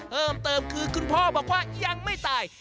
เพิ่มเติมคือคุณพ่อบอกว่ายังไม่ตาย